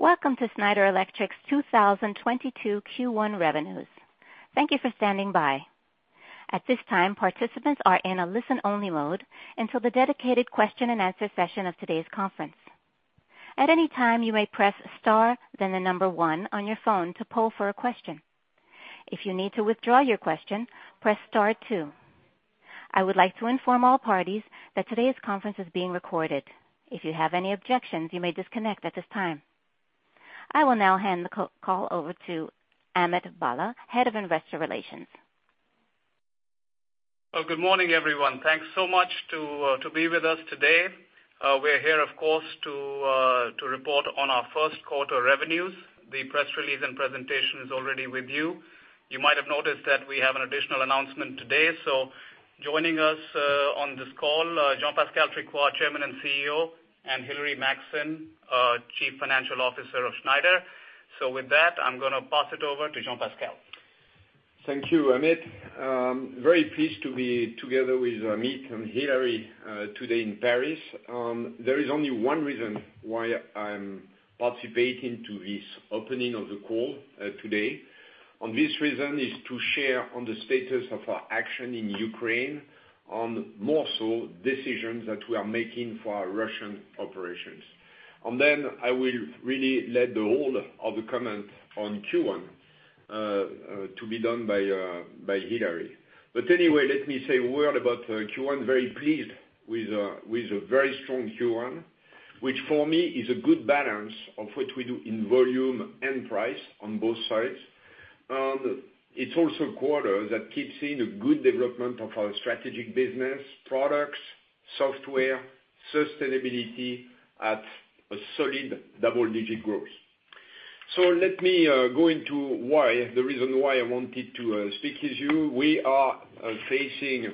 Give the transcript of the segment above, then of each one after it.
Welcome to Schneider Electric's 2022 Q1 revenues. Thank you for standing by. At this time, participants are in a listen-only mode until the dedicated question-and-answer session of today's conference. At any time, you may press star then the number one on your phone to poll for a question. If you need to withdraw your question, press star two. I would like to inform all parties that today's conference is being recorded. If you have any objections, you may disconnect at this time. I will now hand the call over to Amit Bhalla, Head of Investor Relations. Good morning, everyone. Thanks so much for being with us today. We're here of course to report on our 1st quarter revenues. The press release and presentation is already with you. You might have noticed that we have an additional announcement today. Joining us on this call, Jean-Pascal Tricoire, Chairman and CEO, and Hilary Maxson, our Chief Financial Officer of Schneider. With that, I'm gonna pass it over to Jean-Pascal. Thank you, Amit. Very pleased to be together with Amit and Hilary today in Paris. There is only one reason why I'm participating to this opening of the call today. This reason is to share on the status of our action in Ukraine on more so decisions that we are making for our Russian operations. Then I will really let the whole of the comment on Q1 to be done by Hilary. But anyway, let me say a word about Q1. Very pleased with a very strong Q1, which for me is a good balance of what we do in volume and price on both sides. It's also a quarter that keeps seeing a good development of our strategic business, products, software, sustainability at a solid double-digit growth. Let me go into why, the reason why I wanted to speak with you. We are facing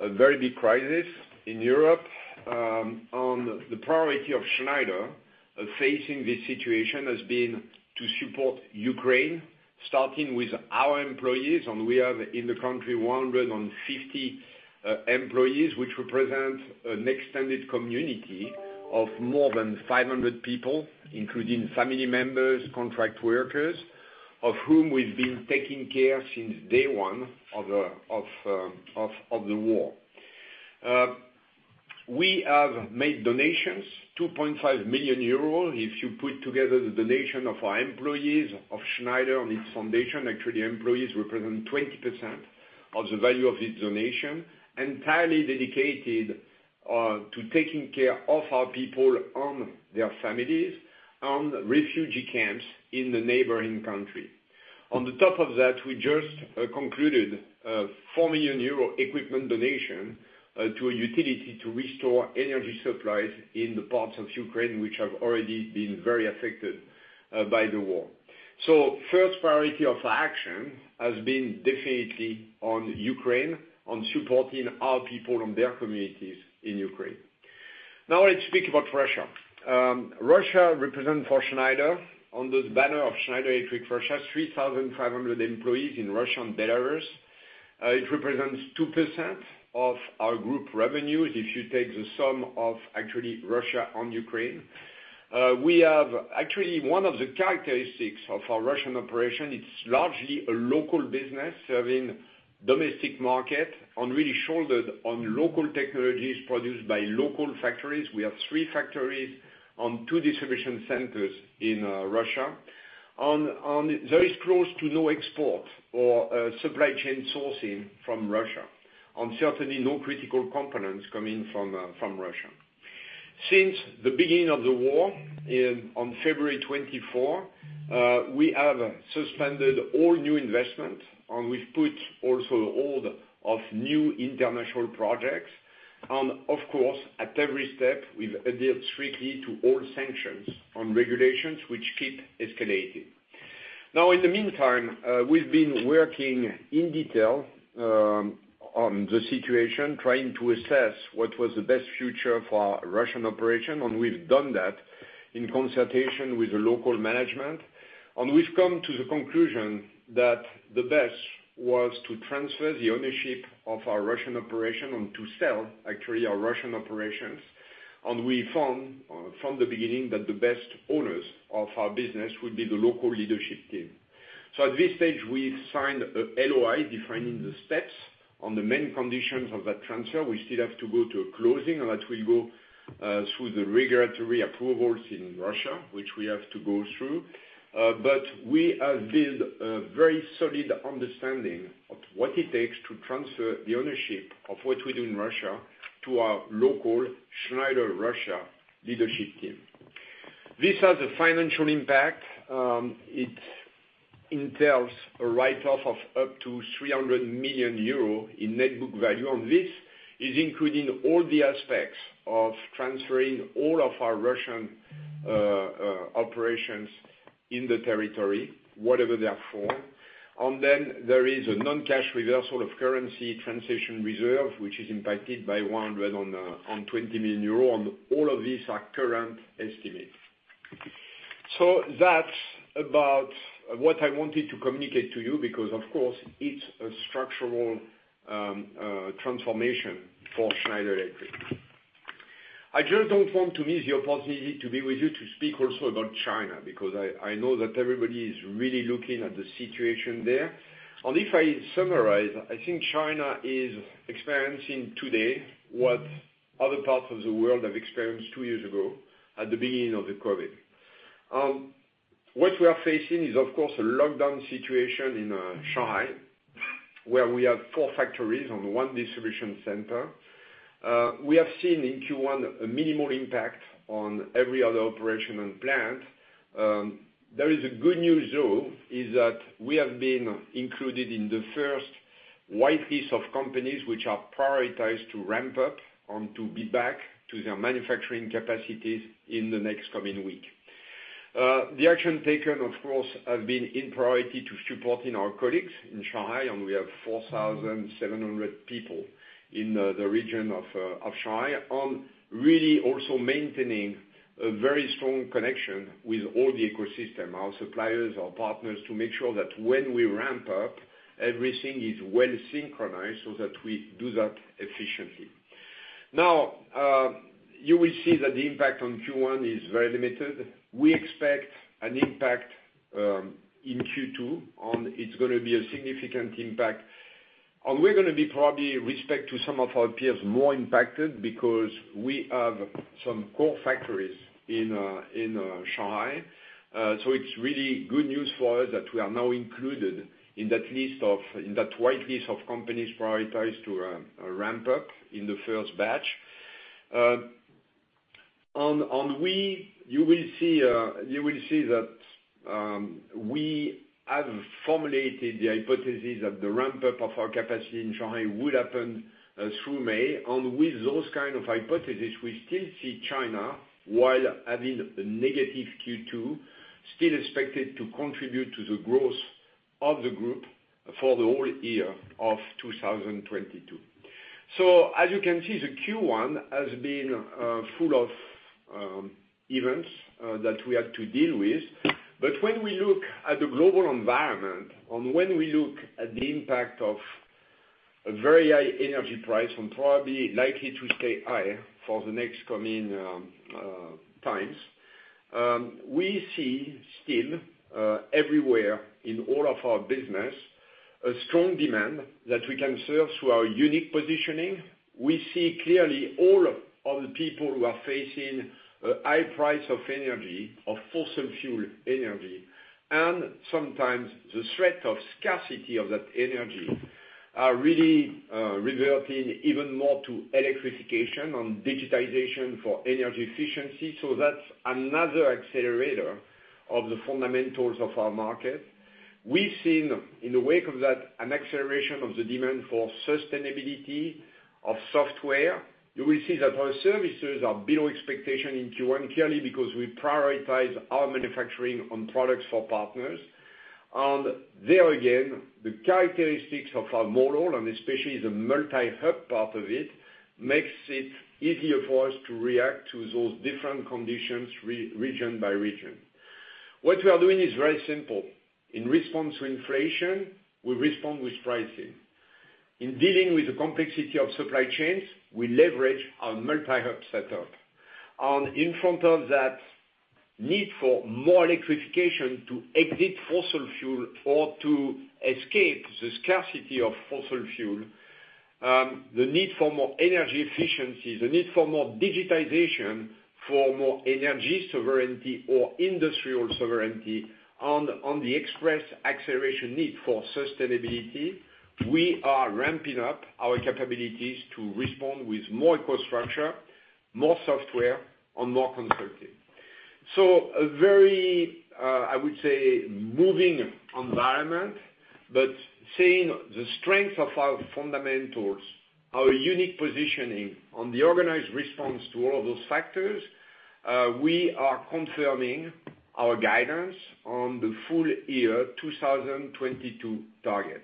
a very big crisis in Europe. The priority of Schneider of facing this situation has been to support Ukraine, starting with our employees, and we have in the country 150 employees, which represent an extended community of more than 500 people, including family members, contract workers, of whom we've been taking care since day one of the war. We have made donations, 2.5 million euros. If you put together the donation of our employees, of Schneider and its foundation, actually employees represent 20% of the value of this donation, entirely dedicated to taking care of our people and their families and refugee camps in the neighboring country. On top of that, we just concluded a 4 million euro equipment donation to a utility to restore energy supplies in the parts of Ukraine which have already been very affected by the war. First priority of action has been definitely on Ukraine, on supporting our people and their communities in Ukraine. Now, let's speak about Russia. Russia represent for Schneider under the banner of Schneider Electric Russia, 3,500 employees in Russia and Belarus. It represents 2% of our group revenues if you take the sum of actually Russia and Ukraine. We have actually one of the characteristics of our Russian operation, it's largely a local business serving domestic market and really shouldered on local technologies produced by local factories. We have three factories and two distribution centers in Russia. There is close to no export or supply chain sourcing from Russia, and certainly no critical components coming from Russia. Since the beginning of the war in February 24, we have suspended all new investment, and we've put a hold on new international projects. Of course, at every step, we've adhered strictly to all sanctions and regulations which keep escalating. Now, in the meantime, we've been working in detail on the situation, trying to assess what was the best future for our Russian operation, and we've done that in consultation with the local management. We've come to the conclusion that the best was to transfer the ownership of our Russian operation and to sell actually our Russian operations. We found from the beginning, that the best owners of our business would be the local leadership team. At this stage, we've signed a LOI defining the steps and the main conditions of that transfer. We still have to go to a closing and through the regulatory approvals in Russia, which we have to go through. We have built a very solid understanding of what it takes to transfer the ownership of what we do in Russia to our local Schneider Russia leadership team. This has a financial impact. It entails a write-off of up to 300 million euro in net book value. This is including all the aspects of transferring all of our Russian operations in the territory, whatever they are for. There is a non-cash reversal of currency transition reserve, which is impacted by 120 million euros, and all of these are current estimates. That's about what I wanted to communicate to you because, of course, it's a structural transformation for Schneider Electric. I just don't want to miss the opportunity to be with you to speak also about China, because I know that everybody is really looking at the situation there. If I summarize, I think China is experiencing today what other parts of the world have experienced two years ago at the beginning of COVID. What we are facing is, of course, a lockdown situation in Shanghai, where we have four factories and one distribution center. We have seen in Q1 a minimal impact on every other operation and plant. There is good news though, is that we have been included in the 1st whitelist of companies which are prioritized to ramp up and to be back to their manufacturing capacities in the next coming week. The action taken, of course, has been in priority to supporting our colleagues in Shanghai, and we have 4,700 people in the region of Shanghai. Really also maintaining a very strong connection with all the ecosystem, our suppliers, our partners, to make sure that when we ramp up, everything is well synchronized so that we do that efficiently. Now, you will see that the impact on Q1 is very limited. We expect an impact in Q2, and it's gonna be a significant impact. We're gonna be probably, with respect to some of our peers, more impacted because we have some core factories in Shanghai. It's really good news for us that we are now included in that wide list of companies prioritized to ramp up in the 1st batch. You will see that we have formulated the hypothesis that the ramp-up of our capacity in Shanghai would happen through May. With those kind of hypothesis, we still see China, while having a negative Q2, still expected to contribute to the growth of the group for the whole year of 2022. As you can see, the Q1 has been full of events that we had to deal with. When we look at the global environment and when we look at the impact of a very high energy price and probably likely to stay high for the next coming times, we see still everywhere in all of our business a strong demand that we can serve through our unique positioning. We see clearly all of the people who are facing a high price of energy, of fossil fuel energy, and sometimes the threat of scarcity of that energy are really reverting even more to electrification and digitization for energy efficiency. That's another accelerator of the fundamentals of our market. We've seen, in the wake of that, an acceleration of the demand for sustainability of software. You will see that our services are below expectation in Q1, clearly because we prioritize our manufacturing on products for partners. There again, the characteristics of our model, and especially the multi-hub part of it, makes it easier for us to react to those different conditions region by region. What we are doing is very simple. In response to inflation, we respond with pricing. In dealing with the complexity of supply chains, we leverage our multi-hub setup. In front of that need for more electrification to exit fossil fuel or to escape the scarcity of fossil fuel, the need for more energy efficiency, the need for more digitization for more energy sovereignty or industrial sovereignty on the expressed acceleration need for sustainability, we are ramping up our capabilities to respond with more infrastructure, more software, and more consulting. A very, I would say, moving environment, but seeing the strength of our fundamentals, our unique positioning, and the organized response to all those factors, we are confirming our guidance on the full year 2022 target.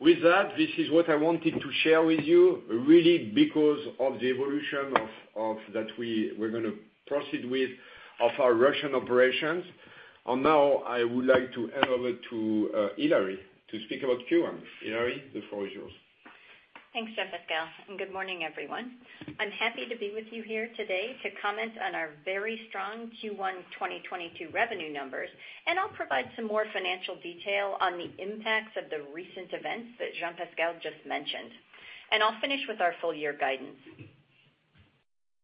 With that, this is what I wanted to share with you, really because of the evolution of that we're gonna proceed with, of our Russian operations. Now I would like to hand over to Hilary to speak about Q1. Hilary, the floor is yours. Thanks, Jean-Pascal, and good morning, everyone. I'm happy to be with you here today to comment on our very strong Q1 2022 revenue numbers, and I'll provide some more financial detail on the impacts of the recent events that Jean-Pascal just mentioned. I'll finish with our full year guidance.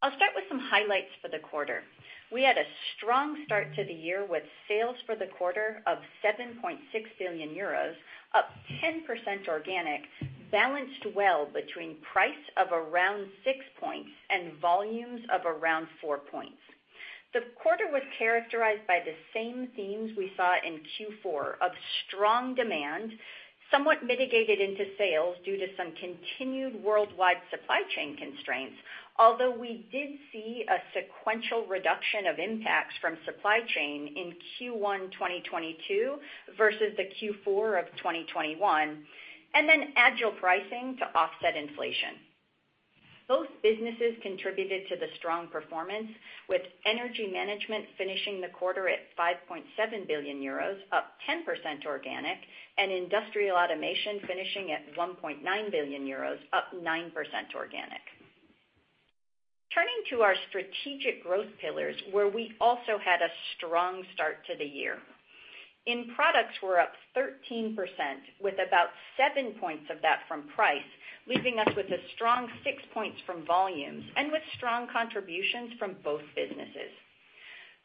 I'll start with some highlights for the quarter. We had a strong start to the year with sales for the quarter of 7.6 billion euros, up 10% organic, balanced well between price of around six points and volumes of around four points. The quarter was characterized by the same themes we saw in Q4 of strong demand, somewhat mitigated into sales due to some continued worldwide supply chain constraints. Although we did see a sequential reduction of impacts from supply chain in Q1 2022 versus the Q4 of 2021, and then agile pricing to offset inflation. Both businesses contributed to the strong performance, with Energy Management finishing the quarter at 5.7 billion euros, up 10% organic, and Industrial Automation finishing at 1.9 billion euros, up 9% organic. Turning to our strategic growth pillars, where we also had a strong start to the year. In products, we're up 13%, with about seven points of that from price, leaving us with a strong six points from volumes and with strong contributions from both businesses.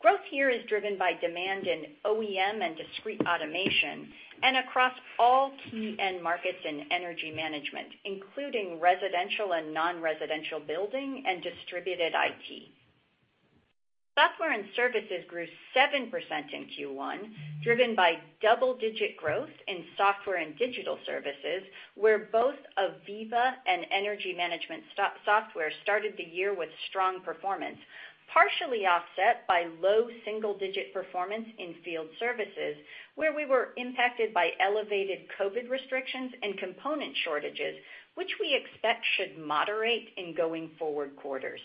Growth here is driven by demand in OEM and discrete automation and across all key end markets in Energy Management, including residential and non-residential building and Distributed IT. Software and services grew 7% in Q1, driven by double-digit growth in software and digital services, where both AVEVA and energy management software started the year with strong performance, partially offset by low single-digit performance in field services, where we were impacted by elevated COVID restrictions and component shortages, which we expect should moderate in going forward quarters.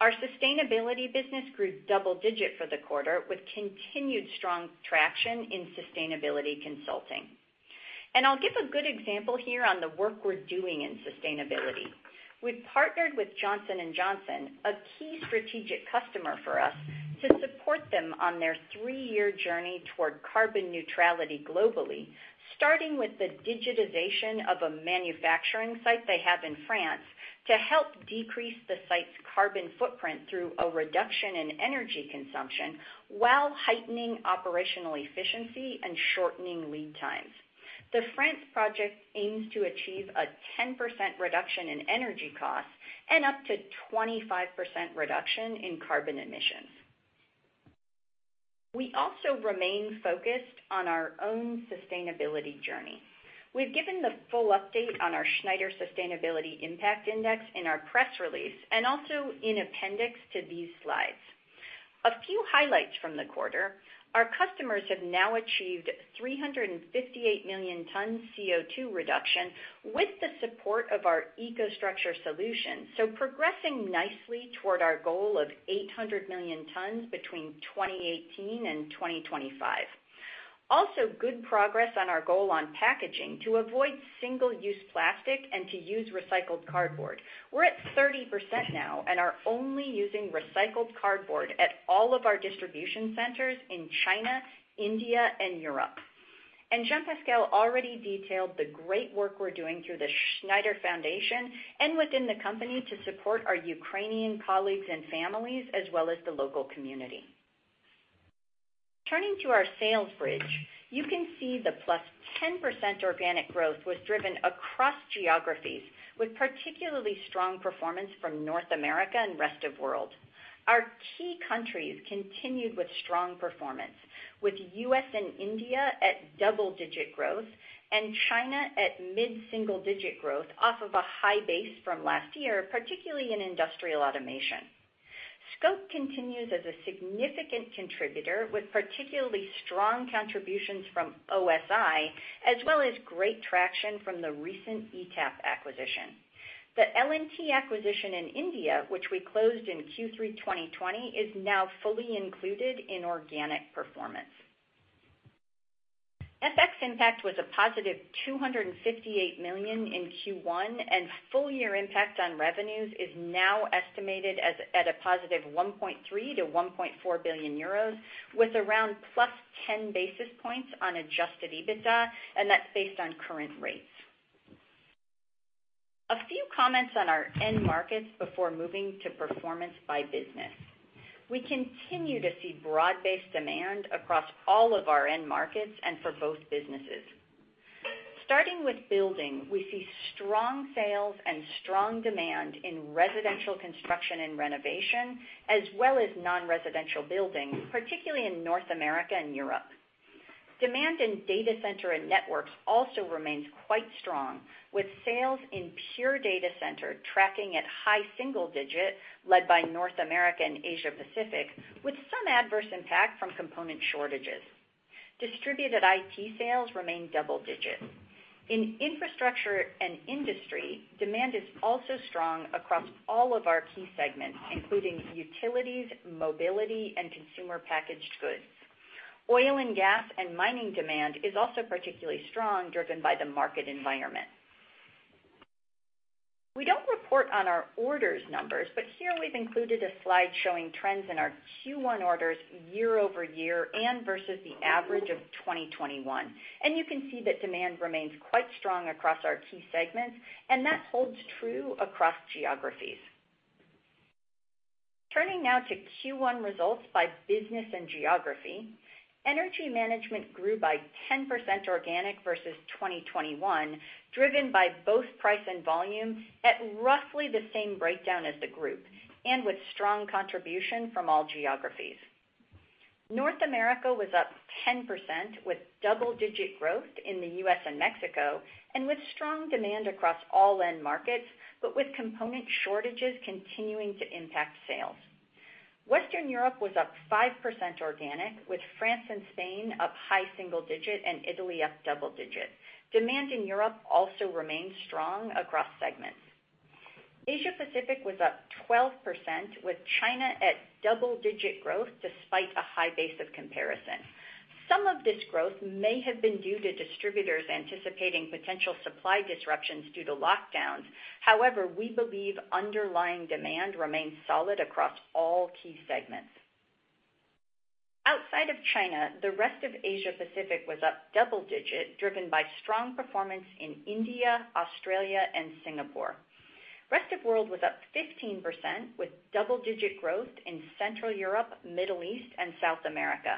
Our sustainability business grew double digit for the quarter, with continued strong traction in sustainability consulting. I'll give a good example here on the work we're doing in sustainability. We've partnered with Johnson & Johnson, a key strategic customer for us, to support them on their three-year journey toward carbon neutrality globally, starting with the digitization of a manufacturing site they have in France to help decrease the site's carbon footprint through a reduction in energy consumption while heightening operational efficiency and shortening lead times. The France project aims to achieve a 10% reduction in energy costs and up to 25% reduction in carbon emissions. We also remain focused on our own sustainability journey. We've given the full update on our Schneider Sustainability Impact in our press release and also in appendix to these slides. A few highlights from the quarter, our customers have now achieved 358 million tons CO2 reduction with the support of our EcoStruxure solution, so progressing nicely toward our goal of 800 million tons between 2018 and 2025. Also, good progress on our goal on packaging to avoid single-use plastic and to use recycled cardboard. We're at 30% now and are only using recycled cardboard at all of our distribution centers in China, India, and Europe. Jean-Pascal already detailed the great work we're doing through the Schneider Foundation and within the company to support our Ukrainian colleagues and families, as well as the local community. Turning to our sales bridge, you can see the +10% organic growth was driven across geographies, with particularly strong performance from North America and rest of world. Our key countries continued with strong performance, with U.S. and India at double-digit growth and China at mid-single digit growth off of a high base from last year, particularly in industrial automation. Scope continues as a significant contributor, with particularly strong contributions from OSI, as well as great traction from the recent ETAP acquisition. The L&T acquisition in India, which we closed in Q3 2020, is now fully included in organic performance. FX impact was a +258 million in Q1, and full year impact on revenues is now estimated at a +1.3 billion-1.4 billion euros, with around +10 basis points on adjusted EBITA, and that's based on current rates. A few comments on our end markets before moving to performance by business. We continue to see broad-based demand across all of our end markets and for both businesses. Starting with building, we see strong sales and strong demand in residential construction and renovation, as well as non-residential building, particularly in North America and Europe. Demand in data center and networks also remains quite strong, with sales in pure data center tracking at high single-digit, led by North America and Asia Pacific, with some adverse impact from component shortages. Distributed IT sales remain double-digit. In infrastructure and industry, demand is also strong across all of our key segments, including utilities, mobility, and consumer packaged goods. Oil and gas and mining demand is also particularly strong, driven by the market environment. We don't report on our orders numbers, but here we've included a slide showing trends in our Q1 orders year over year and versus the average of 2021. You can see that demand remains quite strong across our key segments, and that holds true across geographies. Turning now to Q1 results by business and geography. Energy Management grew by 10% organic versus 2021, driven by both price and volume at roughly the same breakdown as the group and with strong contribution from all geographies. North America was up 10%, with double-digit growth in the U.S. and Mexico and with strong demand across all end markets, but with component shortages continuing to impact sales. Western Europe was up 5% organic, with France and Spain up high single-digit and Italy up double-digit. Demand in Europe also remains strong across segments. Asia Pacific was up 12%, with China at double-digit growth despite a high base of comparison. Some of this growth may have been due to distributors anticipating potential supply disruptions due to lockdowns. However, we believe underlying demand remains solid across all key segments. Outside of China, the rest of Asia Pacific was up double-digit, driven by strong performance in India, Australia, and Singapore. Rest of world was up 15%, with double-digit growth in Central Europe, Middle East, and South America.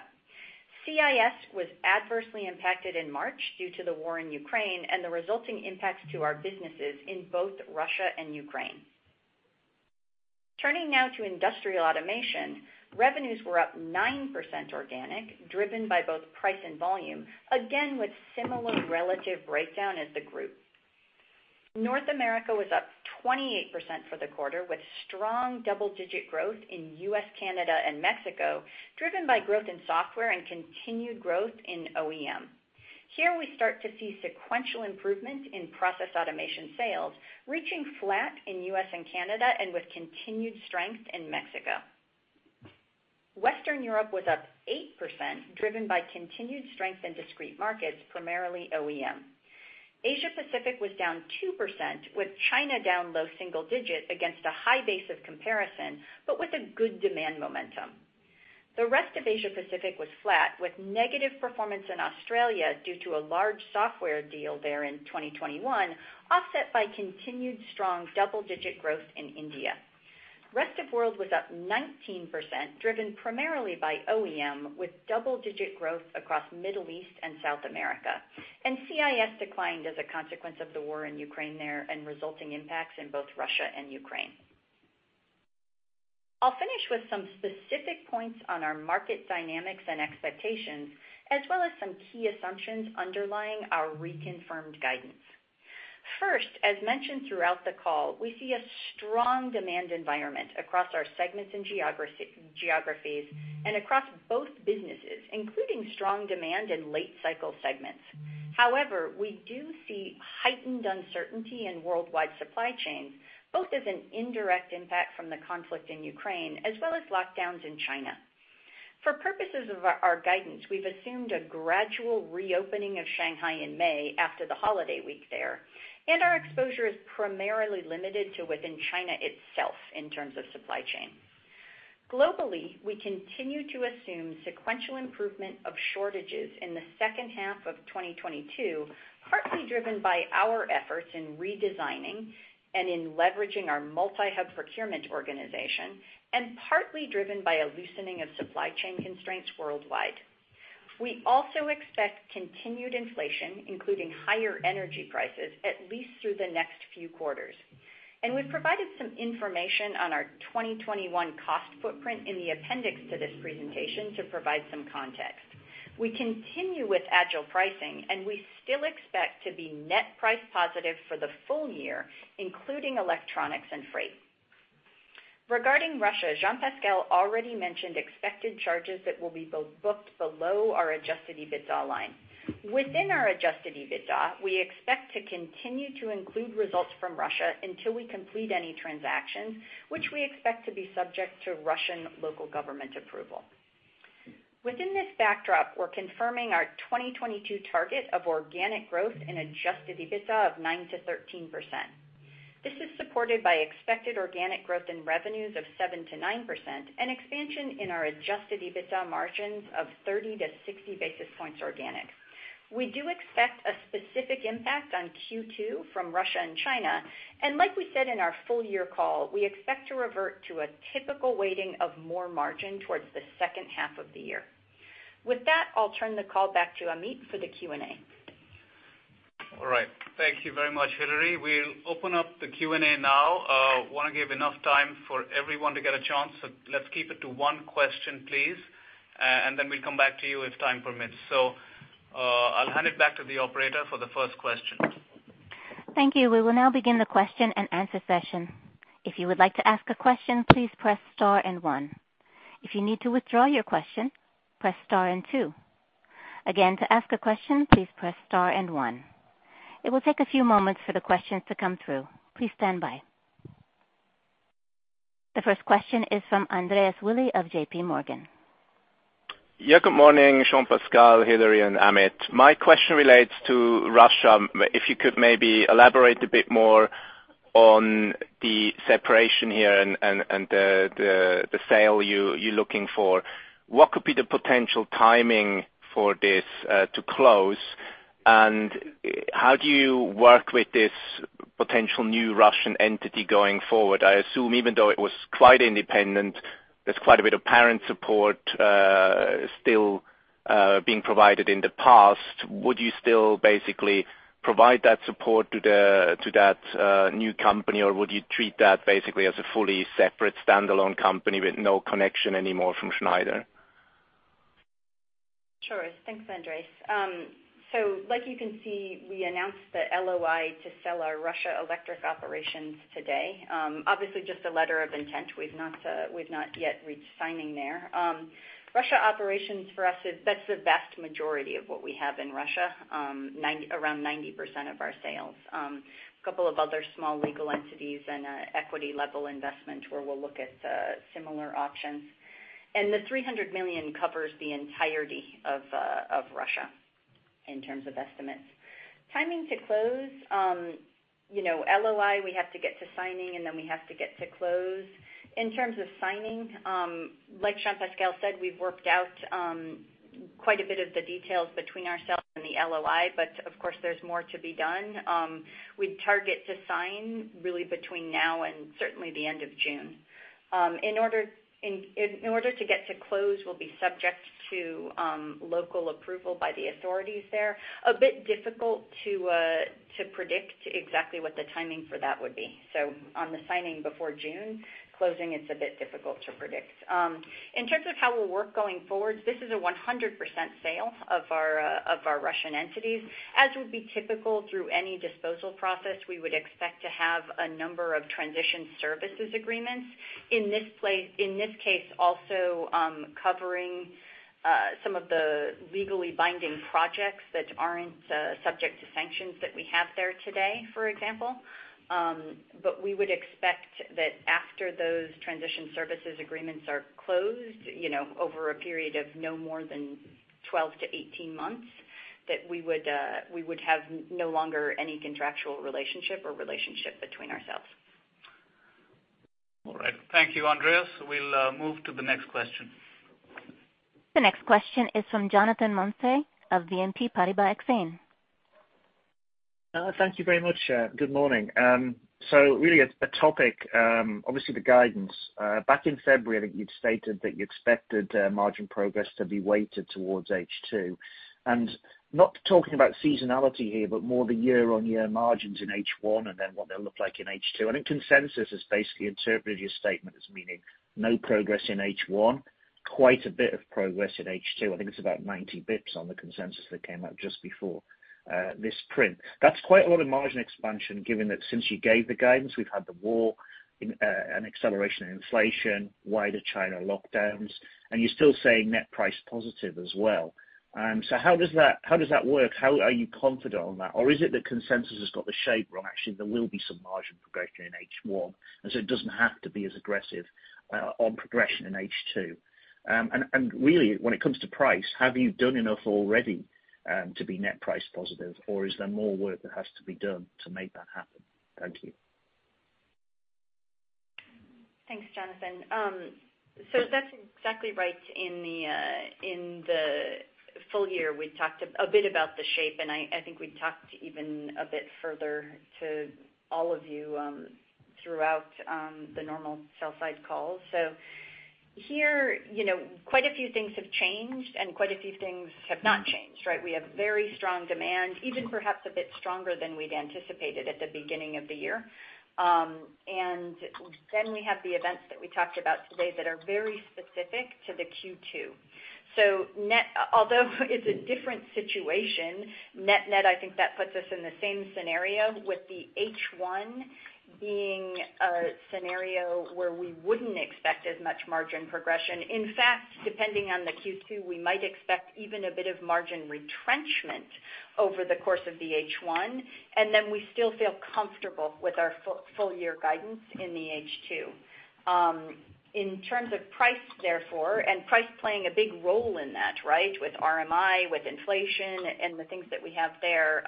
CIS was adversely impacted in March due to the war in Ukraine and the resulting impacts to our businesses in both Russia and Ukraine. Turning now to Industrial Automation. Revenues were up 9% organic, driven by both price and volume, again with similar relative breakdown as the group. North America was up 28% for the quarter, with strong double-digit growth in U.S., Canada, and Mexico, driven by growth in software and continued growth in OEM. Here we start to see sequential improvement in process automation sales, reaching flat in U.S. and Canada, and with continued strength in Mexico. Western Europe was up 8%, driven by continued strength in discrete markets, primarily OEM. Asia Pacific was down 2%, with China down low single digit against a high base of comparison, but with a good demand momentum. The rest of Asia Pacific was flat, with negative performance in Australia due to a large software deal there in 2021, offset by continued strong double-digit growth in India. Rest of world was up 19%, driven primarily by OEM, with double-digit growth across Middle East and South America. CIS declined as a consequence of the war in Ukraine there and resulting impacts in both Russia and Ukraine. I'll finish with some specific points on our market dynamics and expectations, as well as some key assumptions underlying our reconfirmed guidance. First, as mentioned throughout the call, we see a strong demand environment across our segments and geographies and across both businesses, including strong demand in late cycle segments. However, we do see heightened uncertainty in worldwide supply chains, both as an indirect impact from the conflict in Ukraine as well as lockdowns in China. For purposes of our guidance, we've assumed a gradual reopening of Shanghai in May after the holiday week there, and our exposure is primarily limited to within China itself in terms of supply chain. Globally, we continue to assume sequential improvement of shortages in the 2nd half of 2022, partly driven by our efforts in redesigning and in leveraging our multi-hub procurement organization, and partly driven by a loosening of supply chain constraints worldwide. We also expect continued inflation, including higher energy prices, at least through the next few quarters. We've provided some information on our 2021 cost footprint in the appendix to this presentation to provide some context. We continue with agile pricing, and we still expect to be net price positive for the full year, including electronics and freight. Regarding Russia, Jean-Pascal already mentioned expected charges that will be booked below our adjusted EBITA line. Within our adjusted EBITA, we expect to continue to include results from Russia until we complete any transactions, which we expect to be subject to Russian local government approval. Within this backdrop, we're confirming our 2022 target of organic growth in adjusted EBITA of 9%-13%. This is supported by expected organic growth in revenues of 7%-9%, an expansion in our adjusted EBITA margins of 30 basis points-60 basis points organic. We do expect a specific impact on Q2 from Russia and China, and like we said in our full year call, we expect to revert to a typical weighting of more margin towards the 2nd half of the year. With that, I'll turn the call back to Amit for the Q&A. All right. Thank you very much, Hilary. We'll open up the Q&A now. Wanna give enough time for everyone to get a chance, so let's keep it to one question, please, and then we'll come back to you if time permits. I'll hand it back to the operator for the 1st question. Thank you. We will now begin the question-and-answer session. If you would like to ask a question, please press star and one. If you need to withdraw your question, press star and two. Again, to ask a question, please press star and one. It will take a few moments for the questions to come through. Please stand by. The 1st question is from Andreas Willi of J.P. Morgan. Yeah. Good morning, Jean-Pascal, Hilary, and Amit. My question relates to Russia. If you could maybe elaborate a bit more on the separation here and the sale you're looking for. What could be the potential timing for this to close? And how do you work with this potential new Russian entity going forward? I assume even though it was quite independent, there's quite a bit of parent support still being provided in the past. Would you still basically provide that support to that new company? Or would you treat that basically as a fully separate standalone company with no connection anymore from Schneider? Thanks, Andreas. Like you can see, we announced the LOI to sell our Russia electric operations today. Obviously, just a letter of intent. We've not yet reached signing there. Russia operations for us is that's the vast majority of what we have in Russia, around 90% of our sales. A couple of other small legal entities and an equity level investment where we'll look at similar options. The 300 million covers the entirety of Russia in terms of estimates. Timing to close, you know, LOI, we have to get to signing, and then we have to get to close. In terms of signing, like Jean-Pascal said, we've worked out quite a bit of the details between ourselves and the LOI, but of course, there's more to be done. We target to sign really between now and certainly the end of June. In order to get to close, we'll be subject to local approval by the authorities there. It's a bit difficult to predict exactly what the timing for that would be. On the signing before June closing, it's a bit difficult to predict. In terms of how we'll work going forward, this is a 100% sale of our Russian entities. As would be typical through any disposal process, we would expect to have a number of transition services agreements. In this case also, covering some of the legally binding projects that aren't subject to sanctions that we have there today, for example. We would expect that after those transition services agreements are closed, you know, over a period of no more than 12-18 months, that we would have no longer any contractual relationship or relationship between ourselves. All right. Thank you, Andreas. We'll move to the next question. The next question is from Jonathan Mounsey of BNP Paribas Exane. Thank you very much. Good morning. Really a topic, obviously the guidance. Back in February, I think you'd stated that you expected margin progress to be weighted towards H2. Not talking about seasonality here, but more the year-on-year margins in H1 and then what they'll look like in H2. I think consensus has basically interpreted your statement as meaning no progress in H1, quite a bit of progress in H2. I think it's about 90 basis points on the consensus that came out just before this print. That's quite a lot of margin expansion given that since you gave the guidance, we've had the war, an acceleration in inflation, wider China lockdowns, and you're still saying net price positive as well. So how does that work? How are you confident on that? Is it that consensus has got the shape wrong, actually, there will be some margin progression in H1, and so it doesn't have to be as aggressive on progression in H2? Really, when it comes to price, have you done enough already to be net price positive, or is there more work that has to be done to make that happen? Thank you. Thanks, Jonathan. That's exactly right. In the full year, we talked a bit about the shape, and I think we've talked even a bit further to all of you throughout the normal sell-side calls. Here, you know, quite a few things have changed and quite a few things have not changed, right? We have very strong demand, even perhaps a bit stronger than we'd anticipated at the beginning of the year. We have the events that we talked about today that are very specific to the Q2. Although it's a different situation, net-net, I think that puts us in the same scenario with the H1 being a scenario where we wouldn't expect as much margin progression. In fact, depending on the Q2, we might expect even a bit of margin retrenchment over the course of the H1, and then we still feel comfortable with our full year guidance in the H2. In terms of price, therefore, and price playing a big role in that, right? With RMI, with inflation and the things that we have there,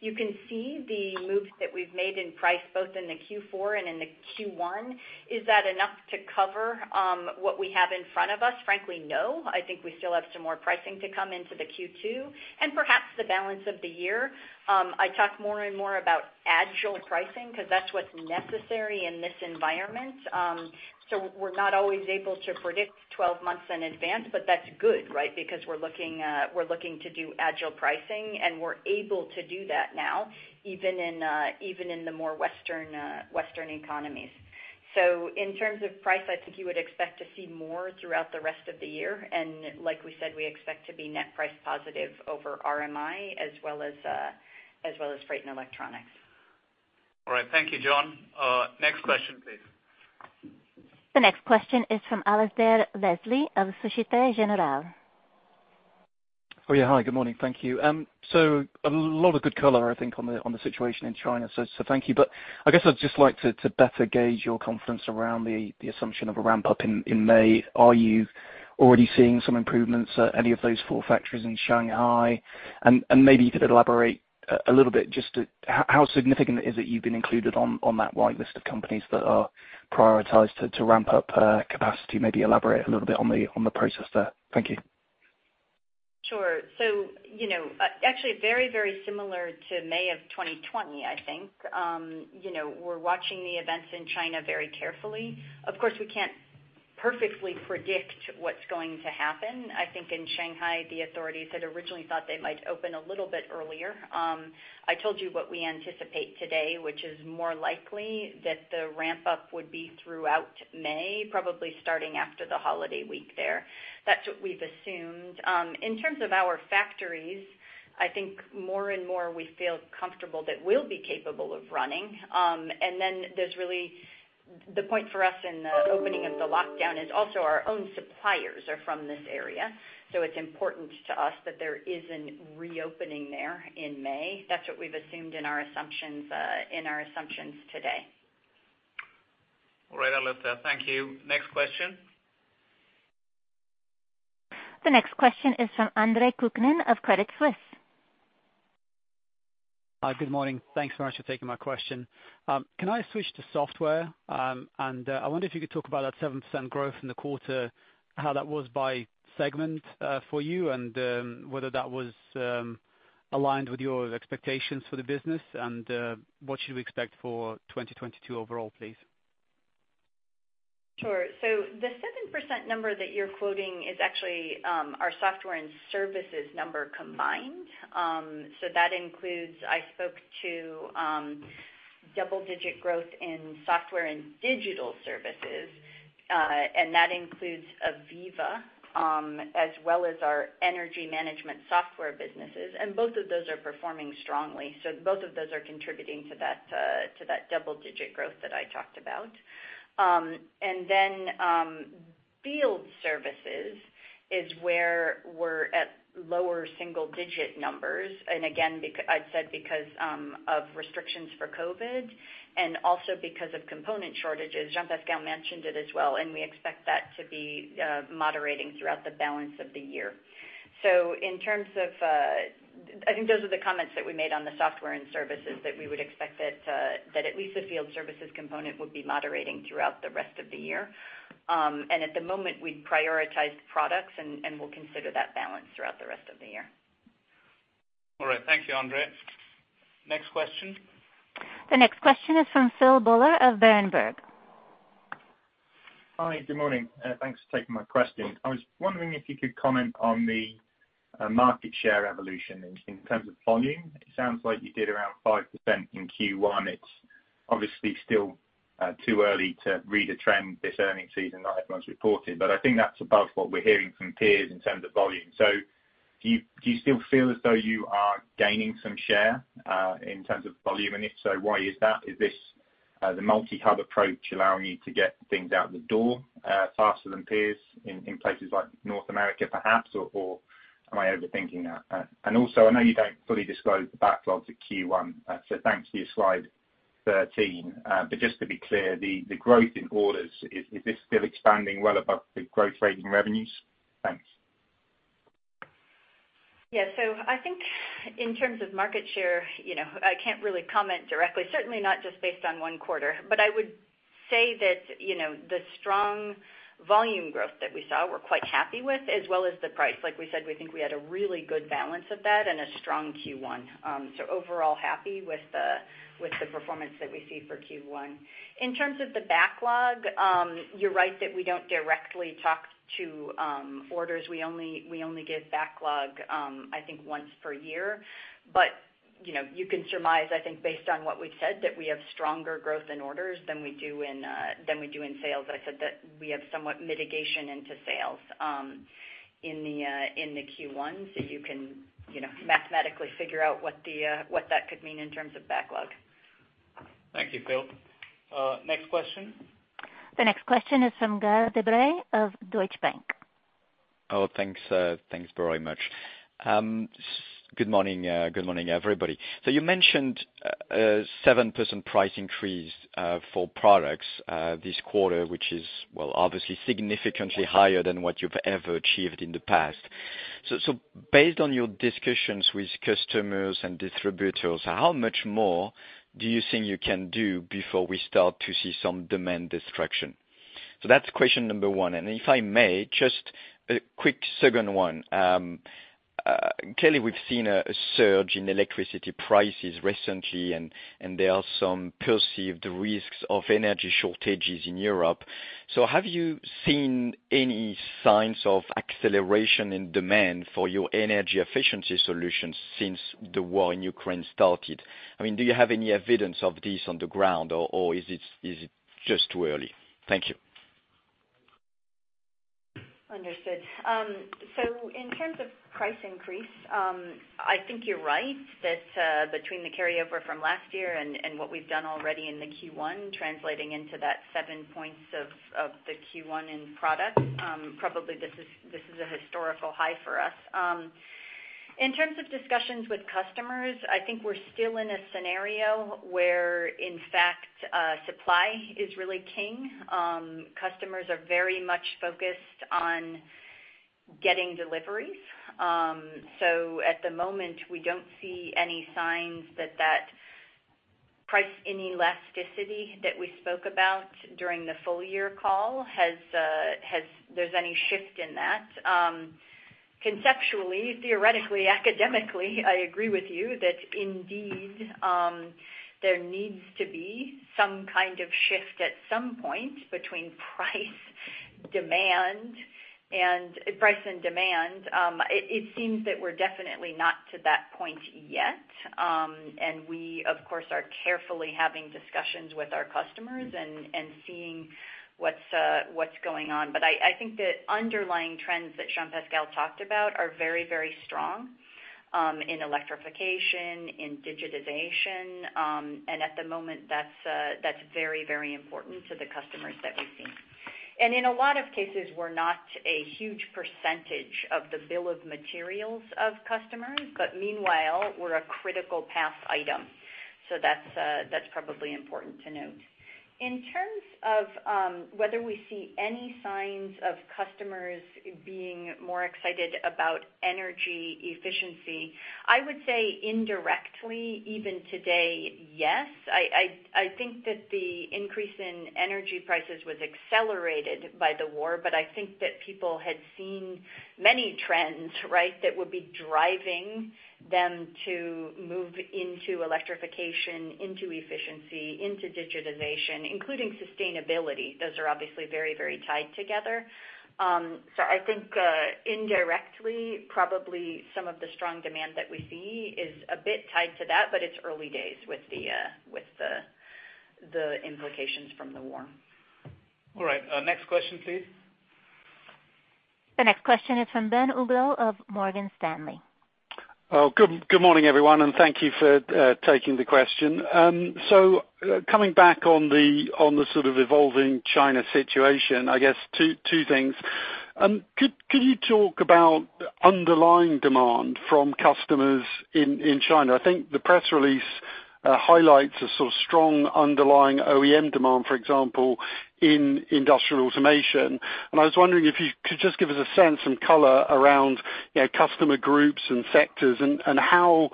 you can see the moves that we've made in price, both in the Q4 and in the Q1. Is that enough to cover, what we have in front of us? Frankly, no. I think we still have some more pricing to come into the Q2 and perhaps the balance of the year. I talk more and more about agile pricing 'cause that's what's necessary in this environment. We're not always able to predict twelve months in advance, but that's good, right? Because we're looking to do agile pricing, and we're able to do that now, even in the more Western economies. In terms of price, I think you would expect to see more throughout the rest of the year. Like we said, we expect to be net price positive over RMI as well as freight and electronics. All right. Thank you, Jon. Next question, please. The next question is from Alasdair Leslie of Société Générale. Oh, yeah. Hi, good morning. Thank you. A lot of good color, I think, on the situation in China. Thank you. I guess I'd just like to better gauge your confidence around the assumption of a ramp-up in May. Are you already seeing some improvements at any of those four factories in Shanghai? Maybe you could elaborate a little bit just how significant is it you've been included on that wide list of companies that are prioritized to ramp up capacity? Maybe elaborate a little bit on the process there. Thank you. Sure. You know, actually very, very similar to May of 2020, I think. You know, we're watching the events in China very carefully. Of course, we can't perfectly predict what's going to happen. I think in Shanghai, the authorities had originally thought they might open a little bit earlier. I told you what we anticipate today, which is more likely that the ramp up would be throughout May, probably starting after the holiday week there. That's what we've assumed. In terms of our factories, I think more and more we feel comfortable that we'll be capable of running. Then there's really the point for us in the opening of the lockdown is also our own suppliers are from this area, so it's important to us that there is a reopening there in May. That's what we've assumed in our assumptions today. All right, Alasdair Leslie, thank you. Next question. The next question is from Andre Kukhnin of Credit Suisse. Hi. Good morning. Thanks so much for taking my question. Can I switch to software? I wonder if you could talk about that 7% growth in the quarter, how that was by segment for you, and whether that was aligned with your expectations for the business and what should we expect for 2022 overall, please? Sure. The 7% number that you're quoting is actually our software and services number combined. That includes, I spoke to double digit growth in software and digital services, and that includes AVEVA as well as our energy management software businesses, and both of those are performing strongly. Both of those are contributing to that double digit growth that I talked about. Field services is where we're at lower single digit numbers. Again, I'd said because of restrictions for COVID and also because of component shortages. Jean-Pascal mentioned it as well, and we expect that to be moderating throughout the balance of the year. In terms of, I think those are the comments that we made on the software and services that we would expect that at least the field services component would be moderating throughout the rest of the year. At the moment, we prioritize products and we'll consider that balance throughout the rest of the year. All right. Thank you, Andre. Next question. The next question is from Philip Buller of Berenberg. Hi, good morning. Thanks for taking my question. I was wondering if you could comment on the market share evolution in terms of volume. It sounds like you did around 5% in Q1. It's obviously still too early to read a trend this earnings season, not everyone's reported, but I think that's above what we're hearing from peers in terms of volume. Do you still feel as though you are gaining some share in terms of volume? If so, why is that? Is this the multi-hub approach allowing you to get things out the door faster than peers in places like North America perhaps? Am I overthinking that? I know you don't fully disclose the backlogs at Q1, so thanks for your slide 13. Just to be clear, the growth in orders, is this still expanding well above the growth rate in revenues? Thanks. Yeah. I think in terms of market share, you know, I can't really comment directly, certainly not just based on one quarter. I would say that, you know, the strong volume growth that we saw, we're quite happy with as well as the price. Like we said, we think we had a really good balance of that and a strong Q1. Overall happy with the performance that we see for Q1. In terms of the backlog, you're right that we don't directly talk to orders. We only give backlog, I think once per year. You know, you can surmise, I think, based on what we've said, that we have stronger growth in orders than we do in sales. I said that we have somewhat mitigation into sales, in the Q1, so you can, you know, mathematically figure out what that could mean in terms of backlog. Thank you, Phil. Next question. The next question is from Gaël De Bray of Deutsche Bank. Oh, thanks. Thanks very much. Good morning. Good morning, everybody. You mentioned a 7% price increase for products this quarter, which is, well, obviously significantly higher than what you've ever achieved in the past. Based on your discussions with customers and distributors, how much more do you think you can do before we start to see some demand destruction? That's question number one. If I may, just a quick 2nd one. Clearly, we've seen a surge in electricity prices recently and there are some perceived risks of energy shortages in Europe. Have you seen any signs of acceleration in demand for your energy efficiency solutions since the war in Ukraine started? I mean, do you have any evidence of this on the ground, or is it just too early? Thank you. Understood. In terms of price increase, I think you're right that, between the carryover from last year and what we've done already in the Q1, translating into that seven points of the Q1 in product, probably this is a historical high for us. In terms of discussions with customers, I think we're still in a scenario where, in fact, supply is really king. Customers are very much focused on getting deliveries. At the moment, we don't see any signs that that price inelasticity that we spoke about during the full year call has any shift in that. Conceptually, theoretically, academically, I agree with you that indeed, there needs to be some kind of shift at some point between price and demand. It seems that we're definitely not to that point yet. We of course are carefully having discussions with our customers and seeing what's going on. I think the underlying trends that Jean-Pascal talked about are very strong in electrification, in digitization, and at the moment, that's very important to the customers that we see. In a lot of cases, we're not a huge percentage of the bill of materials of customers, but meanwhile, we're a critical path item. That's probably important to note. In terms of whether we see any signs of customers being more excited about energy efficiency, I would say indirectly even today, yes. I think that the increase in energy prices was accelerated by the war, but I think that people had seen many trends, right, that would be driving them to move into electrification, into efficiency, into digitization, including sustainability. Those are obviously very, very tied together. I think, indirectly, probably some of the strong demand that we see is a bit tied to that, but it's early days with the implications from the war. All right. Next question, please. The next question is from Ben Uglow of Morgan Stanley. Good morning, everyone, and thank you for taking the question. Coming back on the sort of evolving China situation, I guess two things. Could you talk about underlying demand from customers in China? I think the press release highlights a sort of strong underlying OEM demand, for example, in industrial automation. I was wondering if you could just give us a sense and color around, you know, customer groups and sectors and how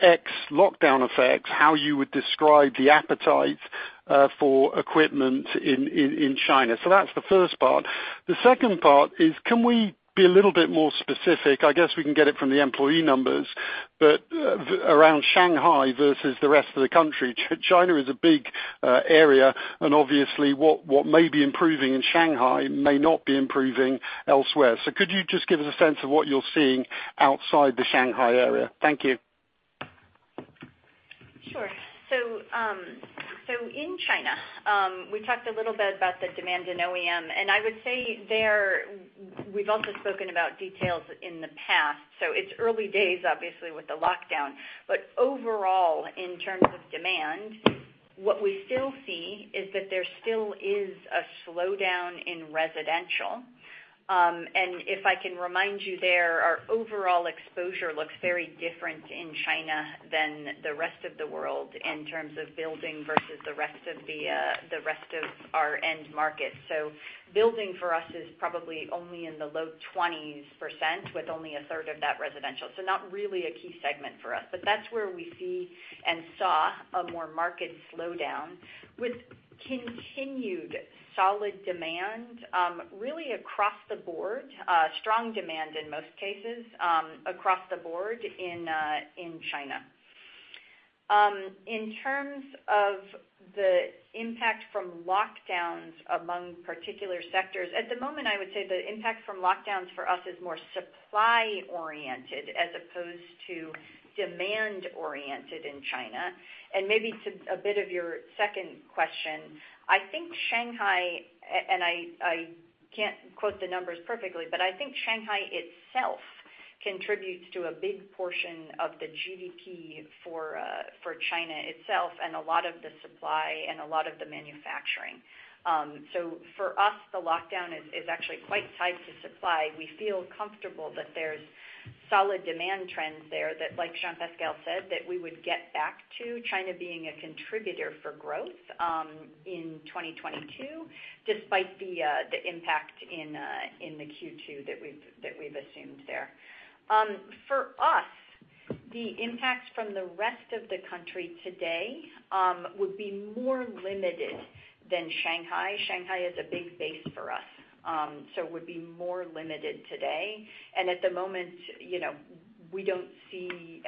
ex lockdown affects how you would describe the appetite for equipment in China. That's the 1st part. The 2nd part is, can we be a little bit more specific? I guess we can get it from the employee numbers, but around Shanghai versus the rest of the country. China is a big area, and obviously what may be improving in Shanghai may not be improving elsewhere. Could you just give us a sense of what you're seeing outside the Shanghai area? Thank you. Sure. In China, we talked a little bit about the demand in OEM, and I would say there, we've also spoken about details in the past, so it's early days obviously with the lockdown. Overall, in terms of demand, what we still see is that there still is a slowdown in residential. If I can remind you there, our overall exposure looks very different in China than the rest of the world in terms of building versus the rest of our end market. Building for us is probably only in the low 20%, with only a 3rd of that residential. Not really a key segment for us. That's where we see and saw a more market slowdown with continued solid demand, really across the board, strong demand in most cases, across the board in China. In terms of the impact from lockdowns among particular sectors, at the moment, I would say the impact from lockdowns for us is more supply-oriented as opposed to demand-oriented in China. Maybe to a bit of your 2nd question, I think Shanghai, and I can't quote the numbers perfectly, but I think Shanghai itself contributes to a big portion of the GDP for China itself, and a lot of the supply and a lot of the manufacturing. For us, the lockdown is actually quite tied to supply. We feel comfortable that there's solid demand trends there that, like Jean-Pascal said, that we would get back to China being a contributor for growth in 2022, despite the impact in the Q2 that we've assumed there. For us, the impact from the rest of the country today would be more limited than Shanghai. Shanghai is a big base for us, so would be more limited today. At the moment, you know, we don't see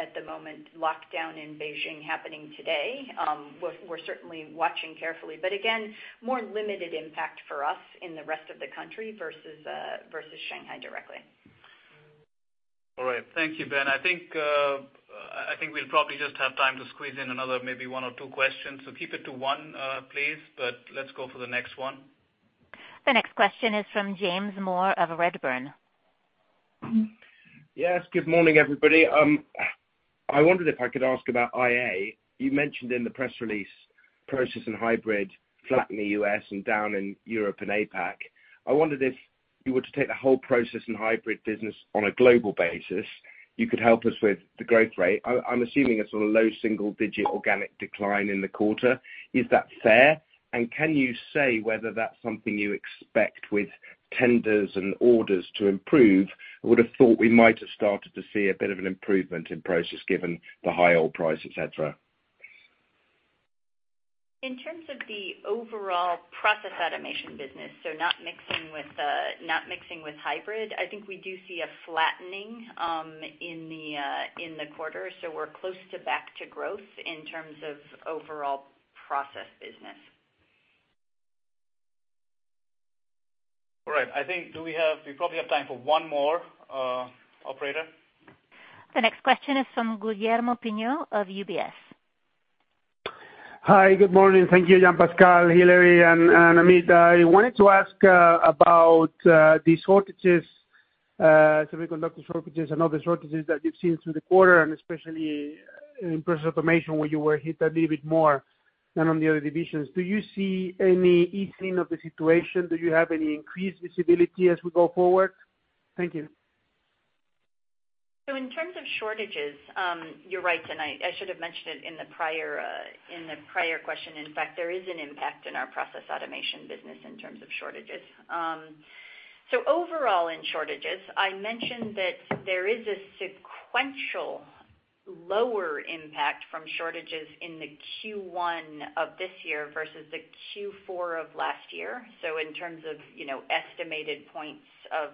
lockdown in Beijing happening today. We're certainly watching carefully. Again, more limited impact for us in the rest of the country versus Shanghai directly. All right. Thank you, Ben. I think we'll probably just have time to squeeze in another maybe one or two questions. So keep it to one, please. Let's go for the next one. The next question is from James Moore of Redburn. Yes. Good morning, everybody. I wondered if I could ask about IA. You mentioned in the press release Process and Hybrid flat in the U.S. and down in Europe and APAC. I wondered if you were to take the whole Process and Hybrid business on a global basis, you could help us with the growth rate. I'm assuming it's on a low single-digit organic decline in the quarter. Is that fair? And can you say whether that's something you expect with tenders and orders to improve? I would have thought we might have started to see a bit of an improvement in Process given the high oil price, et cetera. In terms of the overall process automation business, not mixing with hybrid, I think we do see a flattening in the quarter. We're close to back to growth in terms of overall process business. All right. I think we probably have time for one more operator. The next question is from Guillermo Peigneux-Lojo of UBS. Hi, good morning. Thank you, Jean-Pascal, Hilary, and Amit. I wanted to ask about the shortages, semiconductor shortages and other shortages that you've seen through the quarter and especially in process automation, where you were hit a little bit more than on the other divisions. Do you see any easing of the situation? Do you have any increased visibility as we go forward? Thank you. In terms of shortages, you're right, and I should have mentioned it in the prior question. In fact, there is an impact in our process automation business in terms of shortages. Overall, in shortages, I mentioned that there is a sequential lower impact from shortages in the Q1 of this year versus the Q4 of last year. In terms of, you know, estimated points of,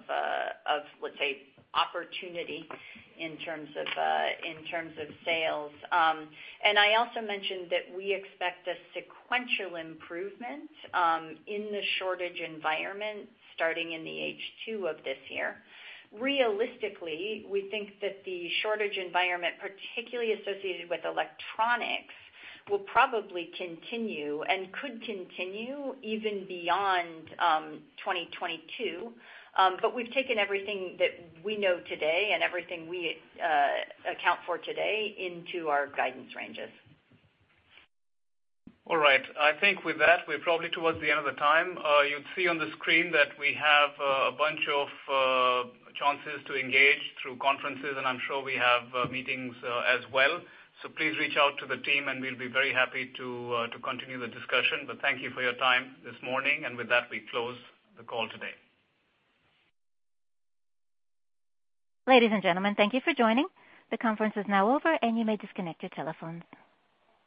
let's say, opportunity in terms of sales. I also mentioned that we expect a sequential improvement in the shortage environment starting in the H2 of this year. Realistically, we think that the shortage environment, particularly associated with electronics, will probably continue and could continue even beyond 2022. We've taken everything that we know today and everything we account for today into our guidance ranges. All right. I think with that, we're probably towards the end of the time. You'd see on the screen that we have a bunch of chances to engage through conferences, and I'm sure we have meetings as well. Please reach out to the team, and we'll be very happy to continue the discussion. Thank you for your time this morning. With that, we close the call today. Ladies and gentlemen, thank you for joining. The conference is now over, and you may disconnect your telephones.